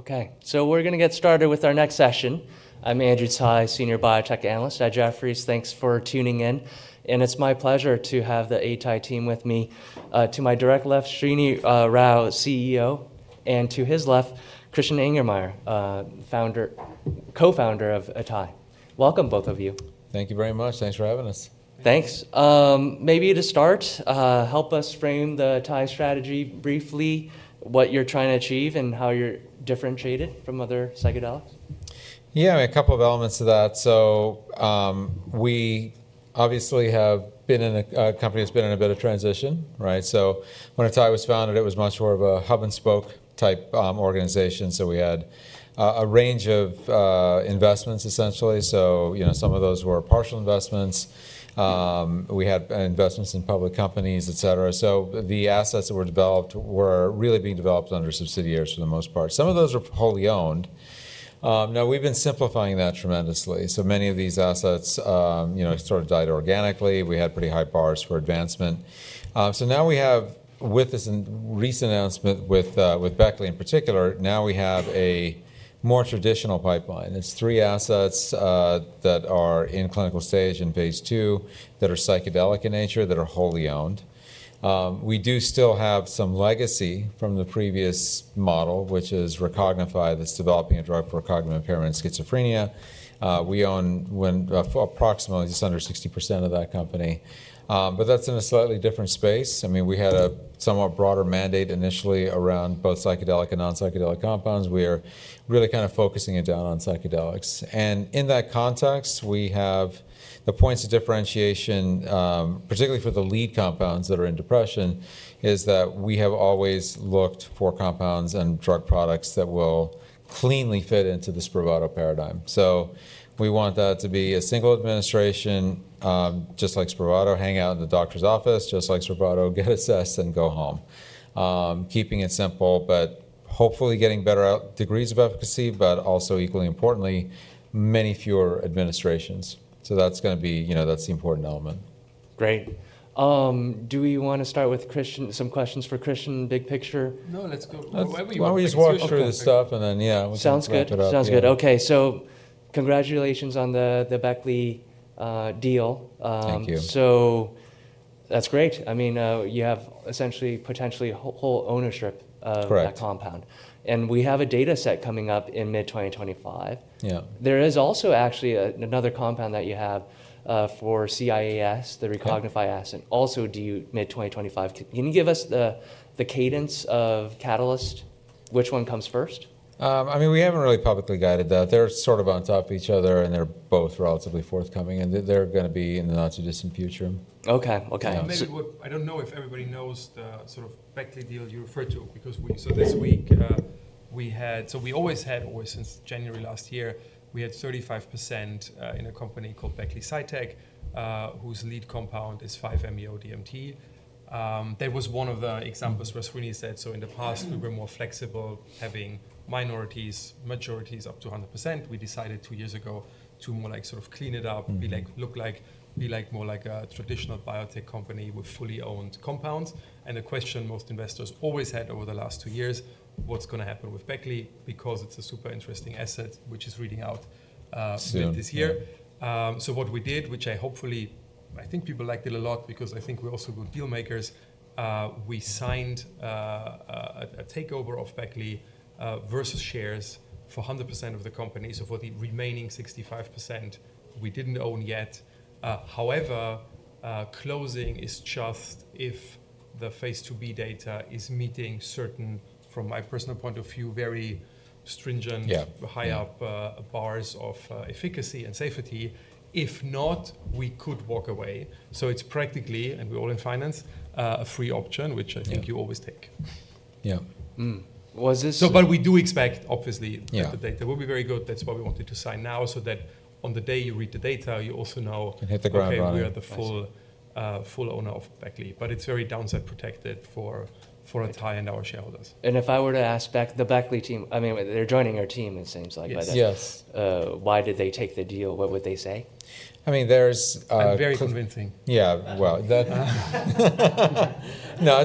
Okay, so we're going to get started with our next session. I'm Andrew Tai, Senior Biotech Analyst at Jefferies. Thanks for tuning in. It's my pleasure to have the Atai team with me. To my direct left, Srinivas Rao, CEO, and to his left, Christian Angermayer, co-founder of Atai. Welcome, both of you. Thank you very much. Thanks for having us. Thanks. Maybe to start, help us frame the Atai strategy briefly, what you're trying to achieve and how you're differentiated from other psychedelics. Yeah, a couple of elements to that. We obviously have been in a company that's been in a bit of transition, right? When Atai was founded, it was much more of a hub-and-spoke type organization. We had a range of investments, essentially. Some of those were partial investments. We had investments in public companies, et cetera. The assets that were developed were really being developed under subsidiaries for the most part. Some of those are wholly owned. Now, we've been simplifying that tremendously. Many of these assets sort of died organically. We had pretty high bars for advancement. Now we have, with this recent announcement with Beckley in particular, a more traditional pipeline. It's three assets that are in clinical stage and phase ll that are psychedelic in nature, that are wholly owned. We do still have some legacy from the previous model, which is Recognify, that's developing a drug for cognitive impairment and schizophrenia. We own approximately just under 60% of that company. That's in a slightly different space. I mean, we had a somewhat broader mandate initially around both psychedelic and non-psychedelic compounds. We are really kind of focusing it down on psychedelics. In that context, we have the points of differentiation, particularly for the lead compounds that are in depression, is that we have always looked for compounds and drug products that will cleanly fit into the Spravato paradigm. We want that to be a single administration, just like Spravato, hang out in the doctor's office, just like Spravato, get assessed, and go home. Keeping it simple, but hopefully getting better degrees of efficacy, but also, equally importantly, many fewer administrations. That's going to be the important element. Great. Do we want to start with some questions for Christian? Big picture? No, let's go. Why don't we just walk through the stuff and then, yeah. Sounds good. Sounds good. Okay, so congratulations on the Beckley deal. Thank you. That's great. I mean, you have essentially potentially whole ownership of that compound. We have a data set coming up in mid-2025. There is also actually another compound that you have for CIAS, the Recognify Acid, also due mid-2025. Can you give us the cadence of catalyst? Which one comes first? I mean, we haven't really publicly guided that. They're sort of on top of each other, and they're both relatively forthcoming. They're going to be in the not-too-distant future. Okay. Okay. I don't know if everybody knows the sort of Beckley deal you referred to, because this week we had, so we always had, always since January last year, we had 35% in a company called Beckley Psytech, whose lead compound is 5-MeO-DMT. That was one of the examples Rao said. In the past, we were more flexible, having minorities, majorities up to 100%. We decided two years ago to more like sort of clean it up, be like more like a traditional biotech company with fully owned compounds. The question most investors always had over the last two years, what's going to happen with Beckley? Because it's a super interesting asset, which is reading out late this year. What we did, which I hopefully, I think people liked it a lot, because I think we're also good dealmakers, we signed a takeover of Beckley versus shares for 100% of the company. For the remaining 65% we didn't own yet. However, closing is just if the phase ll-B data is meeting certain, from my personal point of view, very stringent, high-up bars of efficacy and safety. If not, we could walk away. It's practically, and we're all in finance, a free option, which I think you always take. Yeah. We do expect, obviously, the data will be very good. That's why we wanted to sign now, so that on the day you read the data, you also know. Hit the ground running. Okay, we are the full owner of Beckley. It is very downside protected for Atai and our shareholders. If I were to ask back the Beckley team, I mean, they're joining our team, it seems like, by then. Yes. Why did they take the deal? What would they say? I mean, there's. Very convincing. Yeah, no, I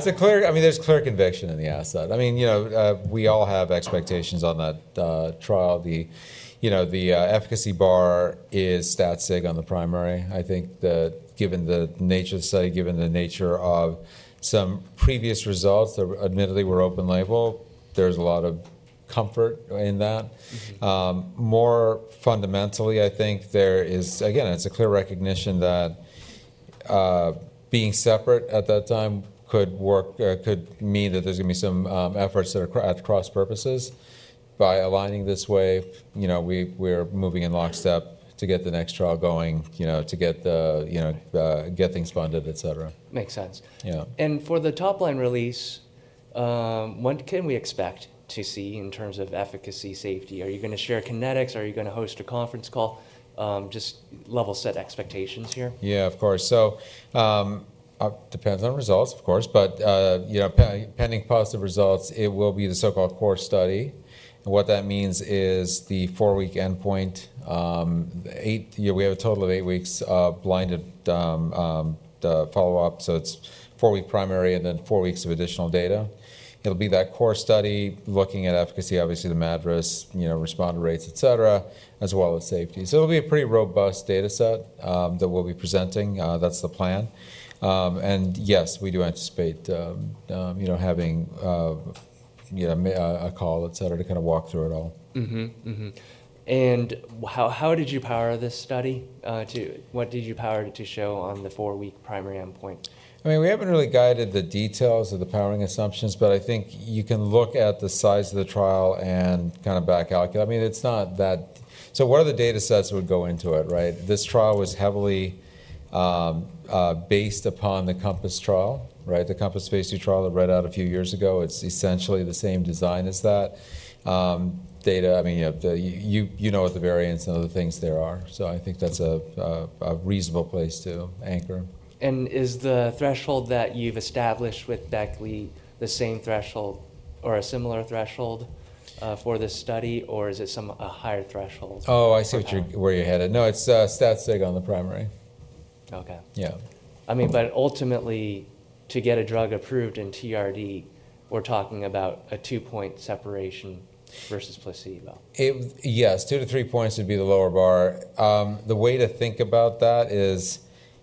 mean, there's clear conviction in the asset. I mean, we all have expectations on that trial. The efficacy bar is stat-sig on the primary. I think that given the nature of the study, given the nature of some previous results that admittedly were open label, there's a lot of comfort in that. More fundamentally, I think there is, again, it's a clear recognition that being separate at that time could mean that there's going to be some efforts that are at cross purposes. By aligning this way, we're moving in lockstep to get the next trial going, to get things funded, et cetera. Makes sense. For the top-line release, what can we expect to see in terms of efficacy, safety? Are you going to share kinetics? Are you going to host a conference call? Just level set expectations here. Yeah, of course. It depends on results, of course. Pending positive results, it will be the so-called core study. What that means is the four-week endpoint. We have a total of eight weeks of blinded follow-up. It is four-week primary and then four weeks of additional data. It will be that core study looking at efficacy, obviously the MADRS, responder rates, et cetera, as well as safety. It will be a pretty robust data set that we will be presenting. That is the plan. Yes, we do anticipate having may i call it, to kind of walk through it at all. How did you power this study? What did you power it to show on the four-week primary endpoint? I mean, we haven't really guided the details of the powering assumptions, but I think you can look at the size of the trial and kind of back out. I mean, it's not that, so what are the data sets that would go into it, right? This trial was heavily based upon the Compass trial, right? The Compass phase ll trial that read out a few years ago. It's essentially the same design as that. Data, I mean, you know what the variance and other things there are. I think that's a reasonable place to anchor. Is the threshold that you've established with Beckley the same threshold or a similar threshold for this study, or is it a higher threshold? Oh, I see where you're headed. No, it's stat sig on the primary. Okay. Yeah. I mean, but ultimately, to get a drug approved in TRD, we're talking about a two-point separation versus placebo. Yes, two to three points would be the lower bar. The way to think about that is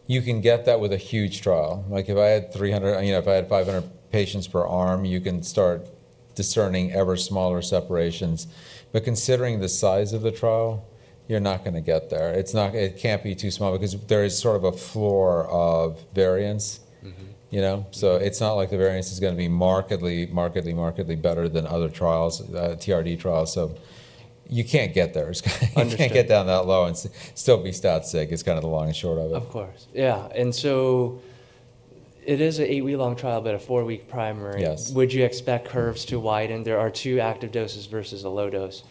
you can get that with a huge trial. Like if I had 300, if I had 500 patients per arm, you can start discerning ever smaller separations. Considering the size of the trial, you're not going to get there. It can't be too small because there is sort of a floor of variance. It's not like the variance is going to be markedly, markedly, markedly better than other trials, TRD trials. You can't get there. You can't get down that low and still be stat sig. It's kind of the long and short of it. Of course. Yeah. It is an eight-week-long trial, but a four-week primary. Would you expect curves to widen? There are two active doses versus a low-dose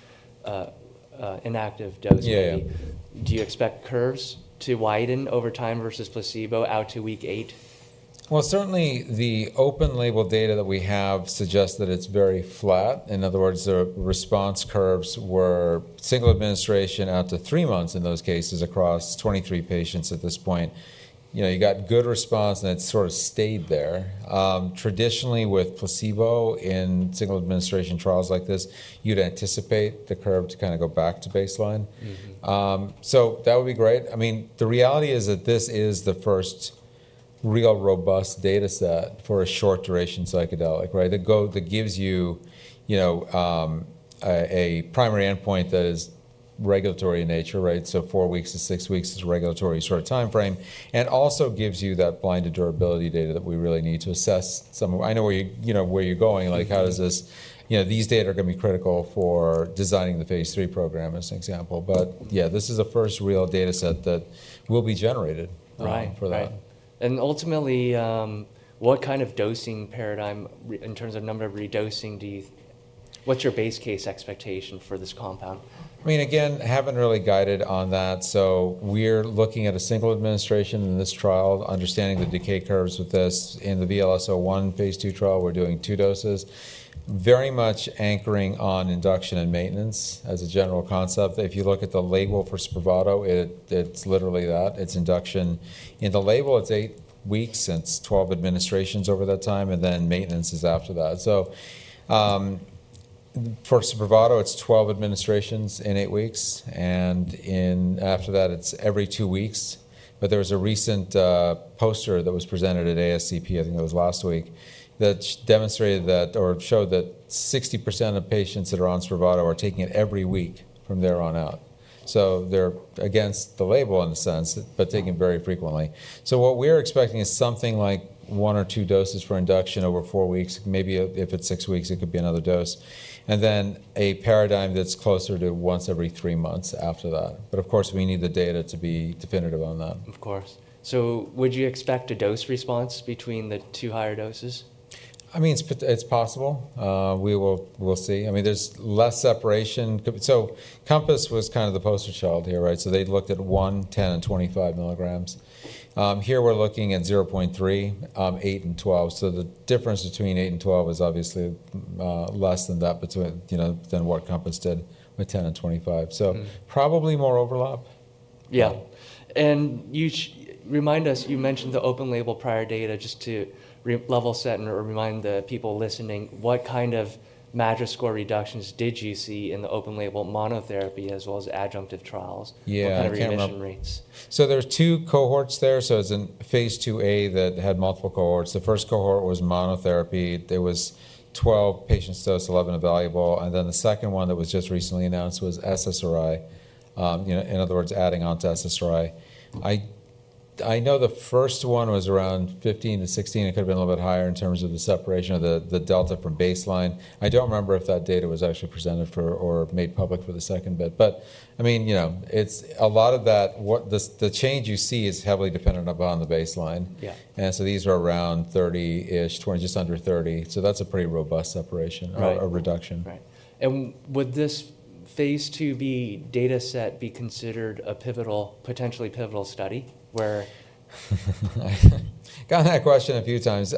inactive dose. Do you expect curves to widen over time versus placebo out to week eight? Certainly the open label data that we have suggests that it's very flat. In other words, the response curves were single administration out to three months in those cases across 23 patients at this point. You got good response, and it sort of stayed there. Traditionally, with placebo in single administration trials like this, you'd anticipate the curve to kind of go back to baseline. That would be great. I mean, the reality is that this is the first real robust data set for a short-duration psychedelic, right? That gives you a primary endpoint that is regulatory in nature, right? Four weeks to six weeks is a regulatory sort of time frame. It also gives you that blinded durability data that we really need to assess. I know where you're going, like how does this, these data are going to be critical for designing the phase lll program, as an example. Yeah, this is the first real data set that will be generated for that. Right. Ultimately, what kind of dosing paradigm in terms of number of redosing do you, what's your base case expectation for this compound? I mean, again, haven't really guided on that. We're looking at a single administration in this trial, understanding the decay curves with this. In the VLS-01 phase ll trial, we're doing two doses, very much anchoring on induction and maintenance as a general concept. If you look at the label for Spravato, it's literally that. It's induction. In the label, it's eight weeks. It's 12 administrations over that time. Maintenance is after that. For Spravato, it's 12 administrations in eight weeks. After that, it's every two weeks. There was a recent poster that was presented at ASCP, I think it was last week, that showed that 60% of patients that are on Spravato are taking it every week from there on out. They're against the label in a sense, but taking it very frequently. What we're expecting is something like one or two doses for induction over four weeks. Maybe if it's six weeks, it could be another dose. And then a paradigm that's closer to once every three months after that. Of course, we need the data to be definitive on that. Of course. So would you expect a dose response between the two higher doses? I mean, it's possible. We'll see. I mean, there's less separation. Compass was kind of the poster child here, right? They looked at one, 10, and 25 milligrams. Here we're looking at 0.3, eight, and 12. The difference between eight and 12 is obviously less than what Compass did with 10 and 25. Probably more overlap. Yeah. Remind us, you mentioned the open-label prior data just to level set or remind the people listening, what kind of MADRS score reductions did you see in the open-label monotherapy as well as adjunctive trials? What kind of reaction rates? There are two cohorts there. It is a phase ll-A that had multiple cohorts. The first cohort was monotherapy. There were 12 patients dosed, 11 evaluable. The second one that was just recently announced was SSRI. In other words, adding on to SSRI. I know the first one was around 15-16. It could have been a little bit higher in terms of the separation of the delta from baseline. I do not remember if that data was actually presented for or made public for the second bit. I mean, a lot of that, the change you see is heavily dependent upon the baseline. These are around 30-ish, just under 30. That is a pretty robust separation or reduction. Right. Would this phase ll-B data set be considered a potentially pivotal study? Gotten that question a few times.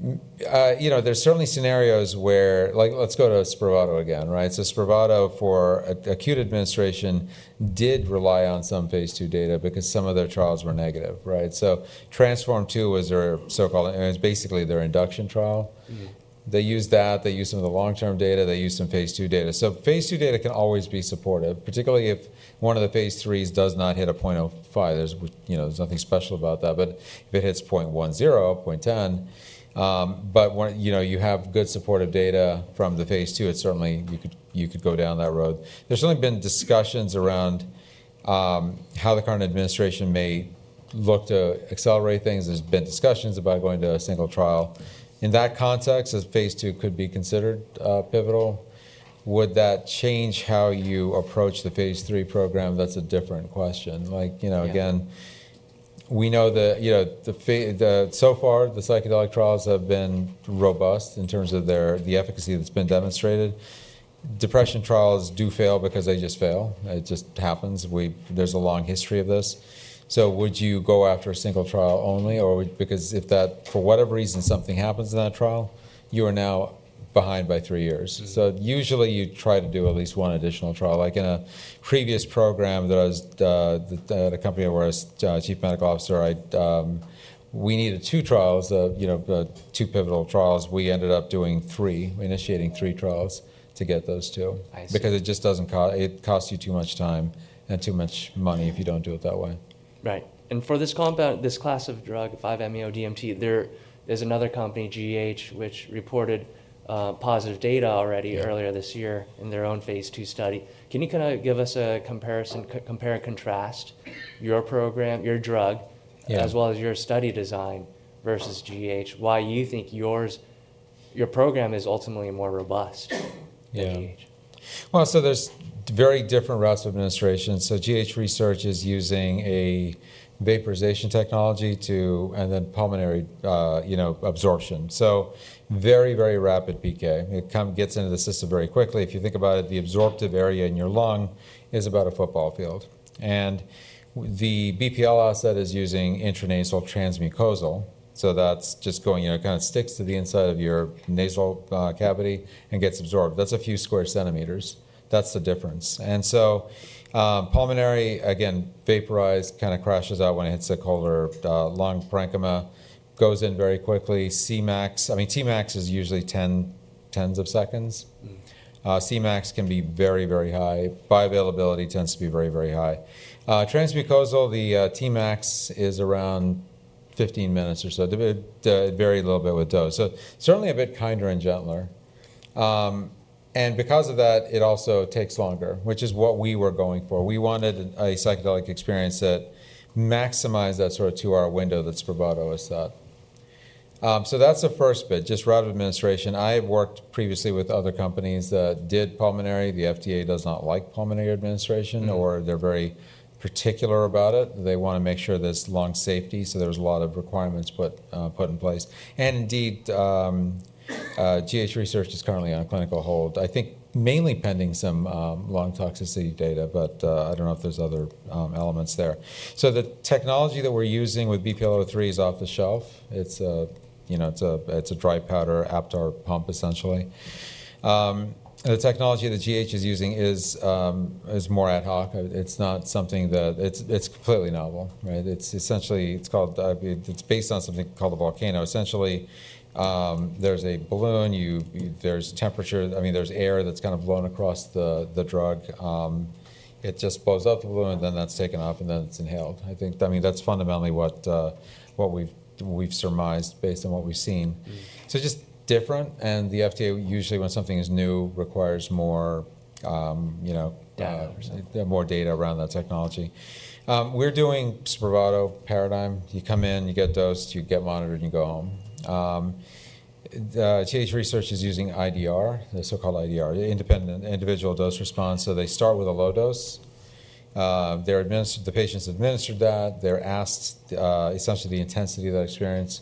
There's certainly scenarios where, let's go to Spravato again, right? Spravato for acute administration did rely on some phase ll data because some of their trials were negative, right? Transform two was their so-called, it was basically their induction trial. They used that. They used some of the long-term data. They used some phase ll data. Phase ll data can always be supportive, particularly if one of the phase lll's does not hit a 0.05. There's nothing special about that. If it hits 0.10, 0.10, but you have good supportive data from the phase ll, certainly you could go down that road. There's certainly been discussions around how the current administration may look to accelerate things. There's been discussions about going to a single trial. In that context, a phase ll could be considered pivotal. Would that change how you approach the phase lll program? That's a different question. Again, we know that so far, the psychedelic trials have been robust in terms of the efficacy that's been demonstrated. Depression trials do fail because they just fail. It just happens. There's a long history of this. Would you go after a single trial only? Because if that, for whatever reason, something happens in that trial, you are now behind by three years. Usually you try to do at least one additional trial. Like in a previous program that I was at a company where I was Chief Medical Officer, we needed two trials, two pivotal trials. We ended up doing three, initiating three trials to get those two. It just doesn't cost, it costs you too much time and too much money if you don't do it that way. Right. And for this class of drug, 5-MeO-DMT, there's another company, GH, which reported positive data already earlier this year in their own phase ll study. Can you kind of give us a compare and contrast your drug as well as your study design versus GH? Why do you think your program is ultimately more robust than GH? There are very different routes of administration. GH Research is using a vaporization technology and then pulmonary absorption. Very, very rapid decay. It gets into the system very quickly. If you think about it, the absorptive area in your lung is about a football field. The BPL asset is using intranasal transmucosal. That just goes, kind of sticks to the inside of your nasal cavity and gets absorbed. That is a few square centimeters. That is the difference. Pulmonary, again, vaporized, kind of crashes out when it hits the colder lung parenchyma, goes in very quickly. Cmax, I mean, Tmax is usually tens of seconds. Cmax can be very, very high. Bioavailability tends to be very, very high. Transmucosal, the Tmax is around 15 minutes or so. It varied a little bit with dose. Certainly a bit kinder and gentler. Because of that, it also takes longer, which is what we were going for. We wanted a psychedelic experience that maximized that sort of two-hour window that Spravato has set. That is the first bit, just route of administration. I have worked previously with other companies that did pulmonary. The FDA does not like pulmonary administration or they are very particular about it. They want to make sure there is lung safety. There are a lot of requirements put in place. Indeed, GH Research is currently on a clinical hold, I think mainly pending some lung toxicity data, but I do not know if there are other elements there. The technology that we are using with BPL-003 is off the shelf. It is a dry powder Aptar pump, essentially. The technology that GH is using is more ad hoc. It is not something that is completely novel, right? It's essentially, it's called, it's based on something called a volcano. Essentially, there's a balloon, there's temperature, I mean, there's air that's kind of blown across the drug. It just blows up the balloon, then that's taken off and then it's inhaled. I think, I mean, that's fundamentally what we've surmised based on what we've seen. Just different. The FDA usually when something is new requires more data around that technology. We're doing Spravato paradigm. You come in, you get dosed, you get monitored, and you go home. GH Research is using IDR, the so-called IDR, independent individual dose response. They start with a low dose. The patient's administered that. They're asked essentially the intensity of that experience.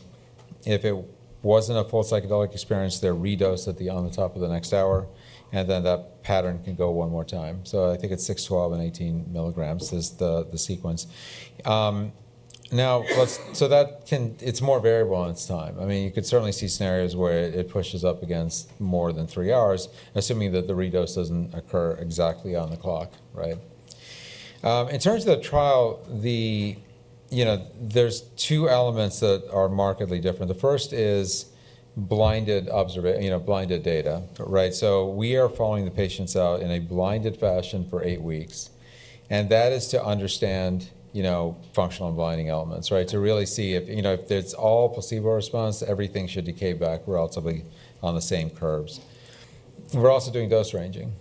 If it wasn't a full psychedelic experience, they're redosed on the top of the next hour. That pattern can go one more time. I think it's six, 12, and 18 milligrams is the sequence. Now, that can, it's more variable on its time. I mean, you could certainly see scenarios where it pushes up against more than three hours, assuming that the redose doesn't occur exactly on the clock, right? In terms of the trial, there's two elements that are markedly different. The first is blinded data, right? We are following the patients out in a blinded fashion for eight weeks. That is to understand functional and blinding elements, right? To really see if there's all placebo response, everything should decay back relatively on the same curves. We're also doing dose ranging.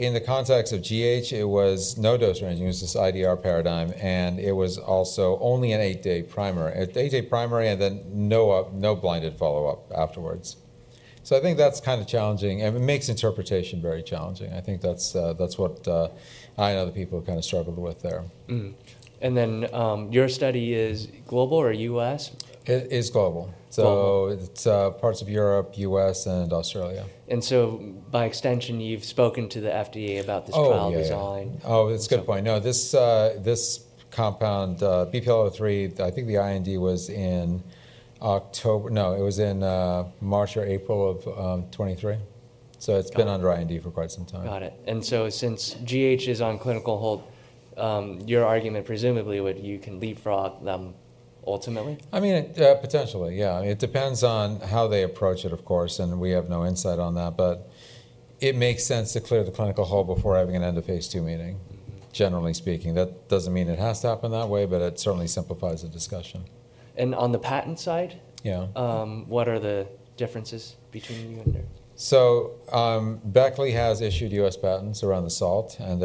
In the context of GH, it was no dose ranging. It was this IDR paradigm. It was also only an eight-day primary. Eight-day primary and then no blinded follow-up afterwards. I think that's kind of challenging. It makes interpretation very challenging. I think that's what I and other people have kind of struggled with there. Is your study global or U.S.? It is global. So it's parts of Europe, U.S., and Australia. By extension, you've spoken to the FDA about this trial design. Oh, it's a good point. No, this compound, BPL-003, I think the R&D was in October. No, it was in March or April of 2023. So it's been under R&D for quite some time. Got it. And so since GH is on clinical hold, your argument presumably would you can leapfrog them ultimately? I mean, potentially, yeah. I mean, it depends on how they approach it, of course. We have no insight on that. It makes sense to clear the clinical hold before having an end of phase ll meeting, generally speaking. That does not mean it has to happen that way, but it certainly simplifies the discussion. On the patent side, what are the differences between you and their? Beckley has issued US patents around the salt. And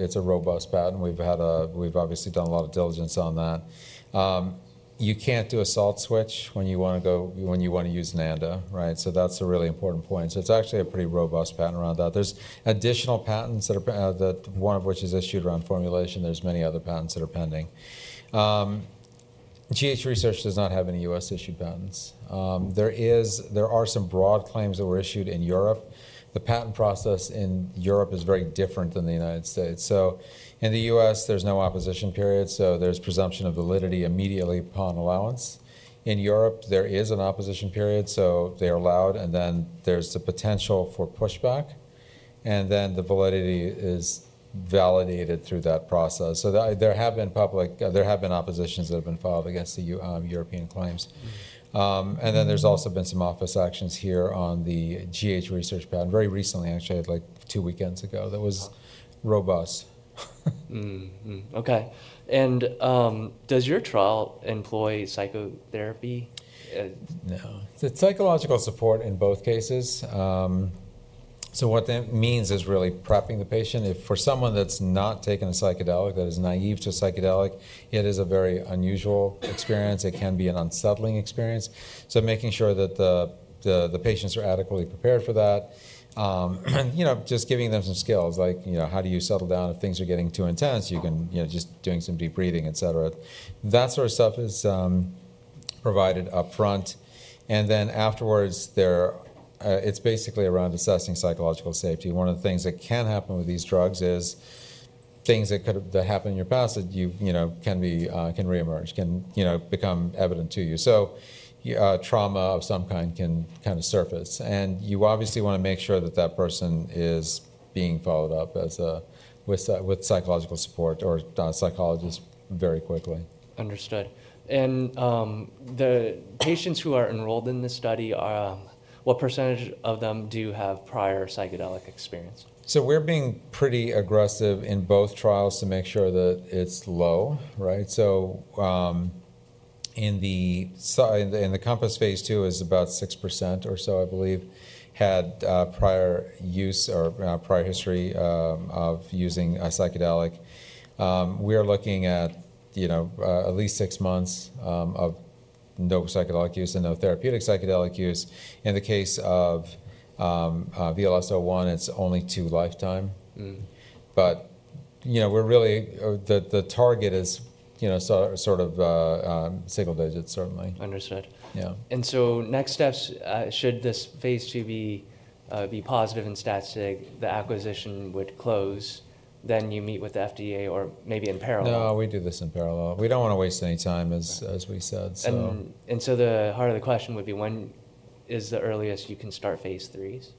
it's a robust patent. We've obviously done a lot of diligence on that. You can't do a salt switch when you want to go, when you want to use NANDA, right? That's a really important point. It's actually a pretty robust patent around that. There's additional patents, one of which is issued around formulation. There are many other patents that are pending. GH Research does not have any U.S.-issued patents. There are some broad claims that were issued in Europe. The patent process in Europe is very different than the United States. In the U.S., there's no opposition period. There's presumption of validity immediately upon allowance. In Europe, there is an opposition period. They are allowed, and then there's the potential for pushback. The validity is validated through that process. There have been oppositions that have been filed against the European claims. Then there's also been some office actions here on the GH Research patent. Very recently, actually, like two weekends ago, that was robust. Okay. Does your trial employ psychotherapy? No. It's psychological support in both cases. What that means is really prepping the patient. For someone that's not taken a psychedelic, that is naive to psychedelic, it is a very unusual experience. It can be an unsettling experience. Making sure that the patients are adequately prepared for that. Just giving them some skills like, how do you settle down if things are getting too intense? You can just do some deep breathing, etc. That sort of stuff is provided upfront. Afterwards, it's basically around assessing psychological safety. One of the things that can happen with these drugs is things that happened in your past can reemerge, can become evident to you. Trauma of some kind can kind of surface. You obviously want to make sure that that person is being followed up with psychological support or a psychologist very quickly. Understood. The patients who are enrolled in this study, what percentage of them do you have prior psychedelic experience? We're being pretty aggressive in both trials to make sure that it's low, right? In the COMPASS phase ll, about 6% or so, I believe, had prior use or prior history of using a psychedelic. We are looking at at least six months of no psychedelic use and no therapeutic psychedelic use. In the case of VLS-01, it's only two lifetimes. The target is sort of single digits, certainly. Understood. And so next steps, should this phase ll be positive in stats, the acquisition would close, then you meet with the FDA or maybe in parallel? No, we do this in parallel. We don't want to waste any time, as we said. The heart of the question would be, when is the earliest you can start phase lll?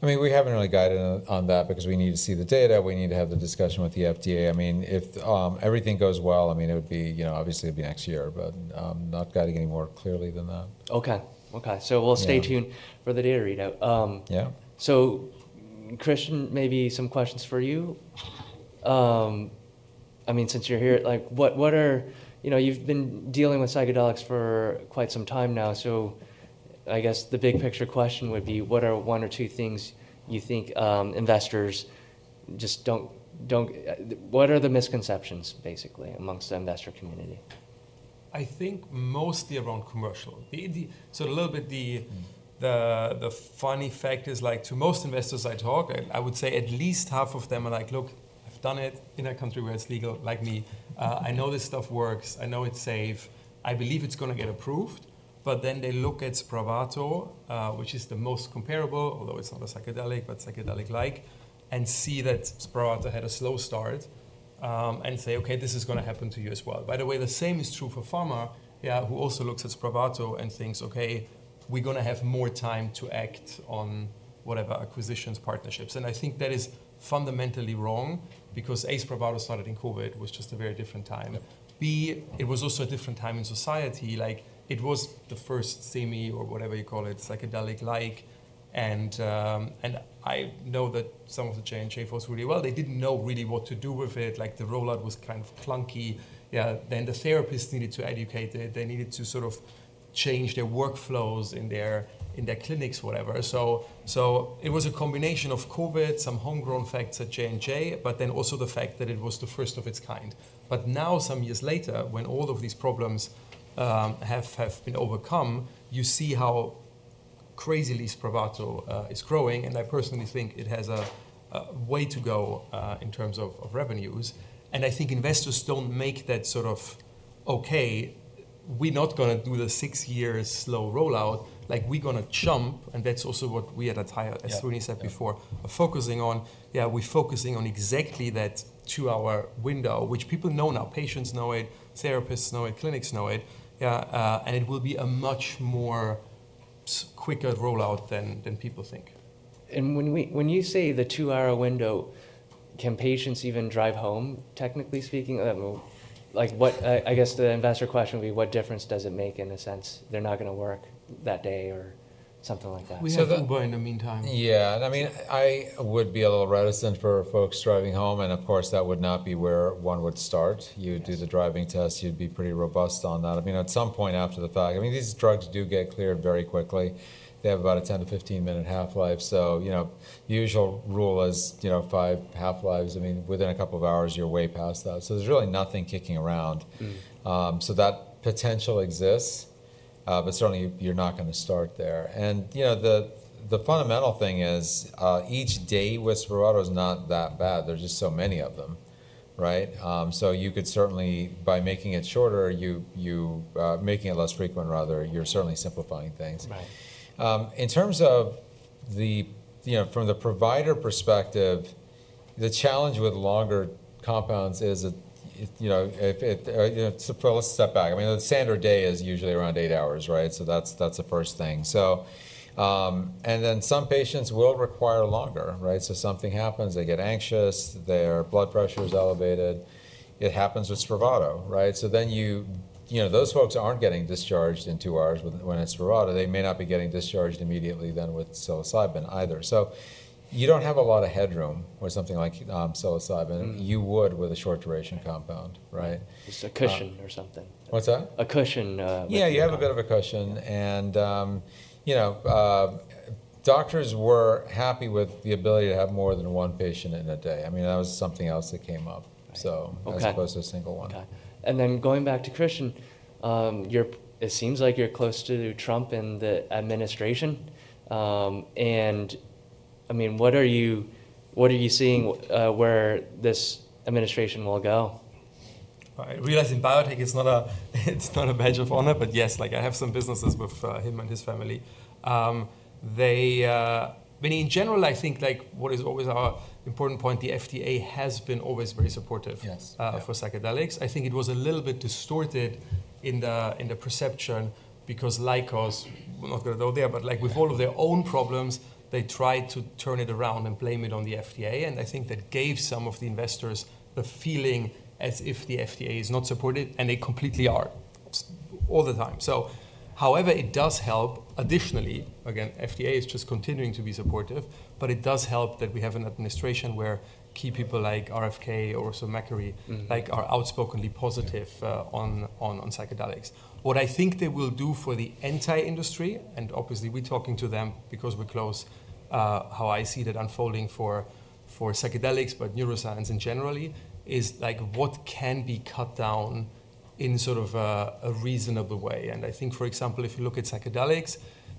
I mean, we haven't really guided on that because we need to see the data. We need to have the discussion with the FDA. I mean, if everything goes well, I mean, it would be, obviously, it'd be next year, but not guiding any more clearly than that. Okay. Okay. We'll stay tuned for the data readout. Christian, maybe some questions for you. I mean, since you're here, what are, you've been dealing with psychedelics for quite some time now. I guess the big picture question would be, what are one or two things you think investors just don't, what are the misconceptions basically amongst the investor community? I think mostly around commercial. A little bit the funny fact is like to most investors I talk, I would say at least half of them are like, "Look, I've done it in a country where it's legal like me. I know this stuff works. I know it's safe. I believe it's going to get approved." They look at Spravato, which is the most comparable, although it's not a psychedelic, but psychedelic-like, and see that Spravato had a slow start and say, "Okay, this is going to happen to you as well." By the way, the same is true for Pharma, who also looks at Spravato and thinks, "Okay, we're going to have more time to act on whatever acquisitions, partnerships." I think that is fundamentally wrong because A, Spravato started in COVID, was just a very different time. B, it was also a different time in society. It was the first, SIMI or whatever you call it, psychedelic-like. And I know that some of the J&J folks really well, they did not know really what to do with it. The rollout was kind of clunky. Then the therapists needed to educate it. They needed to sort of change their workflows in their clinics, whatever. It was a combination of COVID, some homegrown facts at J&J, but also the fact that it was the first of its kind. Now, some years later, when all of these problems have been overcome, you see how crazily Spravato is growing. I personally think it has a way to go in terms of revenues. I think investors do not make that sort of, "Okay, we are not going to do the six-year slow rollout. We're going to jump. That is also what we at Atai, as Runi said before, are focusing on. Yeah, we're focusing on exactly that two-hour window, which people know now. Patients know it. Therapists know it. Clinics know it. It will be a much more quicker rollout than people think. When you say the two-hour window, can patients even drive home, technically speaking? I guess the investor question would be, what difference does it make in the sense they're not going to work that day or something like that? We have Uber in the meantime. Yeah. I mean, I would be a little reticent for folks driving home. Of course, that would not be where one would start. You would do the driving test. You'd be pretty robust on that. I mean, at some point after the fact, I mean, these drugs do get cleared very quickly. They have about a 10-15 minute half-life. The usual rule is five half-lives. I mean, within a couple of hours, you're way past that. There's really nothing kicking around. That potential exists, but certainly you're not going to start there. The fundamental thing is each day with Spravato is not that bad. There's just so many of them, right? You could certainly, by making it shorter, making it less frequent, rather, you're certainly simplifying things. In terms of the, from the provider perspective, the challenge with longer compounds is if we'll step back. I mean, the standard day is usually around eight hours, right? That's the first thing. Then some patients will require longer, right? Something happens, they get anxious, their blood pressure is elevated. It happens with Spravato, right? Those folks are not getting discharged in two hours when it's Spravato. They may not be getting discharged immediately then with psilocybin either. You do not have a lot of headroom with something like psilocybin. You would with a short-duration compound, right? It's a cushion or something. What's that? A cushion. Yeah, you have a bit of a cushion. Doctors were happy with the ability to have more than one patient in a day. I mean, that was something else that came up as opposed to a single one. Okay. Going back to Christian, it seems like you're close to Trump and the administration. I mean, what are you seeing where this administration will go? Realizing biotech, it's not a badge of honor, but yes, I have some businesses with him and his family. I mean, in general, I think what is always our important point, the FDA has been always very supportive for psychedelics. I think it was a little bit distorted in the perception because Lykos, we're not going to go there, but with all of their own problems, they tried to turn it around and blame it on the FDA. I think that gave some of the investors the feeling as if the FDA is not supportive, and they completely are all the time. However, it does help additionally. Again, FDA is just continuing to be supportive, but it does help that we have an administration where key people like R.F.K. or Sir Macquarie are outspokenly positive on psychedelics. What I think they will do for the anti-industry, and obviously we're talking to them because we're close, how I see that unfolding for psychedelics, but neuroscience in general, is what can be cut down in sort of a reasonable way. I think, for example, if you look at psychedelics,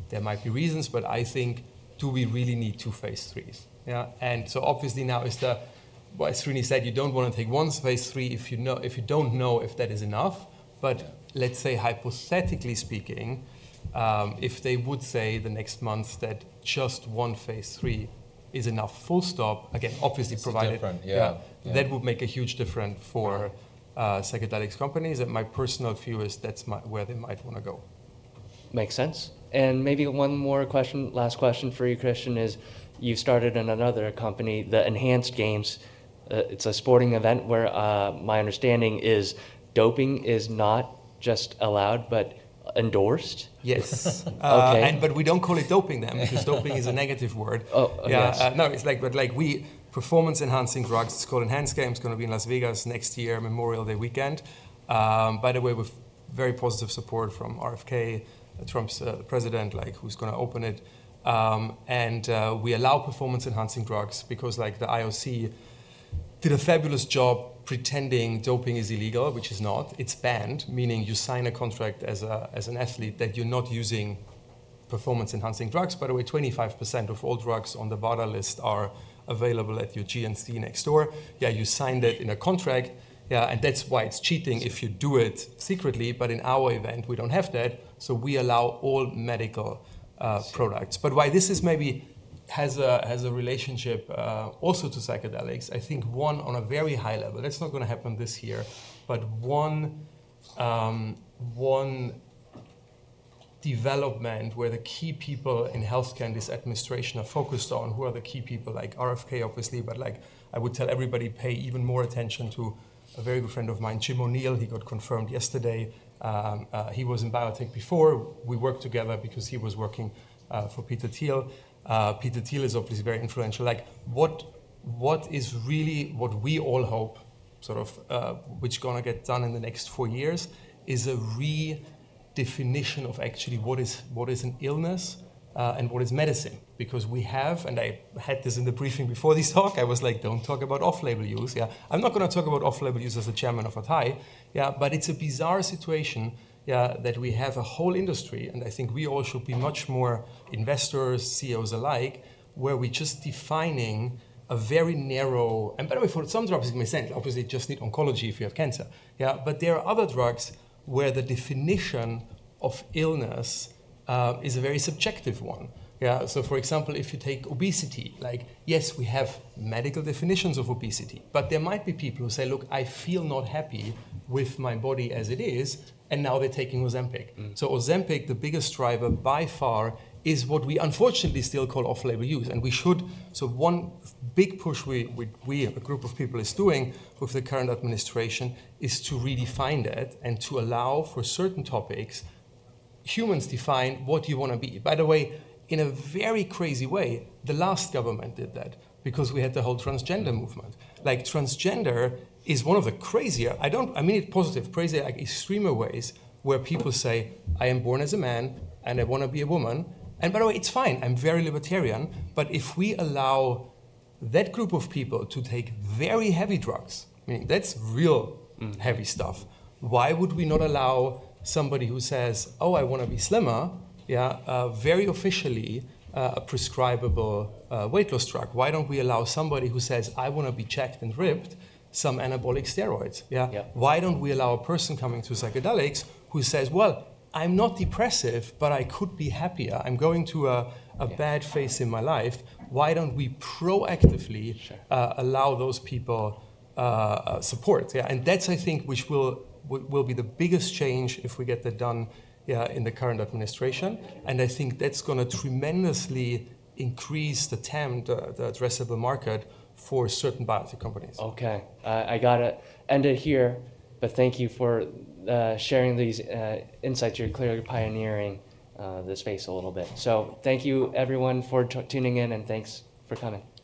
there might be reasons, but I think, do we really need two phase lll's? Obviously now is the, well, as Runi said, you don't want to take one phase lll if you don't know if that is enough. Let's say hypothetically speaking, if they would say the next month that just one phase lll is enough, full stop, again, obviously provided. That's different. Yeah. That would make a huge difference for psychedelics companies. My personal view is that's where they might want to go. Makes sense. Maybe one more question, last question for you, Christian, is you started another company, the Enhanced Games. It's a sporting event where my understanding is doping is not just allowed, but endorsed. Yes. We do not call it doping then because doping is a negative word. No, it is like, but performance-enhancing drugs. It is called Enhanced Games. It is going to be in Las Vegas next year, Memorial Day weekend. By the way, with very positive support from R.F.K., Trump's president, who is going to open it. We allow performance-enhancing drugs because the IOC did a fabulous job pretending doping is illegal, which it is not. It is banned, meaning you sign a contract as an athlete that you are not using performance-enhancing drugs. By the way, 25% of all drugs on the World Anti-Doping Agency list are available at your GNC next door. You sign that in a contract. Yes. That is why it is cheating if you do it secretly. In our event, we do not have that. We allow all medical products. Why this maybe has a relationship also to psychedelics, I think one on a very high level. That's not going to happen this year, but one development where the key people in healthcare and this administration are focused on, who are the key people, like R.F.K., obviously, but I would tell everybody pay even more attention to a very good friend of mine, Jim O'Neill. He got confirmed yesterday. He was in biotech before. We worked together because he was working for Peter Thiel. Peter Thiel is obviously very influential. What is really what we all hope sort of which is going to get done in the next four years is a redefinition of actually what is an illness and what is medicine. Because we have, and I had this in the briefing before this talk, I was like, "Don't talk about off-label use." Yeah. I'm not going to talk about off-label use as the Chairman of Atai. Yeah. But it's a bizarre situation that we have a whole industry, and I think we all should be much more, investors, CEOs alike, where we're just defining a very narrow, and by the way, for some drugs, it makes sense. Obviously, you just need oncology if you have cancer. Yeah. There are other drugs where the definition of illness is a very subjective one. Yeah. For example, if you take obesity, yes, we have medical definitions of obesity, but there might be people who say, "Look, I feel not happy with my body as it is," and now they're taking Ozempic. Ozempic, the biggest driver by far is what we unfortunately still call off-label use. We should, so one big push we have a group of people is doing with the current administration is to redefine that and to allow for certain topics, humans define what you want to be. By the way, in a very crazy way, the last government did that because we had the whole transgender movement. Transgender is one of the crazier, I mean it positive, crazier extreme ways where people say, "I am born as a man and I want to be a woman." By the way, it's fine. I'm very libertarian. If we allow that group of people to take very heavy drugs, I mean, that's real heavy stuff. Why would we not allow somebody who says, "Oh, I want to be slimmer," yeah, very officially a prescribable weight loss drug? Why don't we allow somebody who says, "I want to be checked and ripped," some anabolic steroids? Yeah. Why don't we allow a person coming through psychedelics who says, "I'm not depressive, but I could be happier. I'm going to a bad phase in my life." Why don't we proactively allow those people support? Yeah. I think that will be the biggest change if we get that done in the current administration. I think that's going to tremendously increase the addressable market for certain biotech companies. Okay. I got to end it here, but thank you for sharing these insights. You're clearly pioneering the space a little bit. Thank you, everyone, for tuning in and thanks for coming. Thanks.